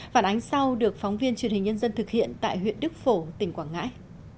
phản ánh sau được phóng viên truyền hình nhân dân thực hiện tại huyện đức phổ tỉnh quảng ngãi